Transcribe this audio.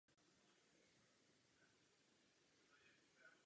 Upřednostňuje bory na kyselých a písčitých půdách a horské smrčiny.